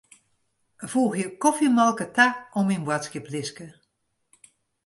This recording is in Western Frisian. Foegje kofjemolke ta oan myn boadskiplistke.